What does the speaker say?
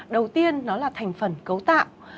đầu tiên nó là thành phần cấu tạo